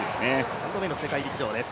３度目の世界陸上です。